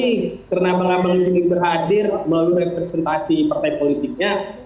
ini karena bang abang sendiri berhadir melalui representasi partai politiknya